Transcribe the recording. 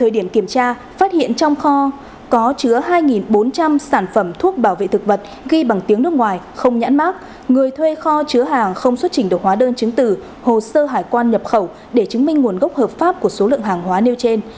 điểm kiểm tra phát hiện trong kho có chứa hai bốn trăm linh sản phẩm thuốc bảo vệ thực vật ghi bằng tiếng nước ngoài không nhãn mát người thuê kho chứa hàng không xuất trình được hóa đơn chứng tử hồ sơ hải quan nhập khẩu để chứng minh nguồn gốc hợp pháp của số lượng hàng hóa nêu trên